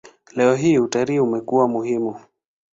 Leo hii utalii umekuwa muhimu.